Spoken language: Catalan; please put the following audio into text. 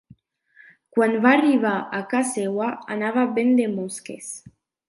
Quan va arribar a ca seua anava ben de mosques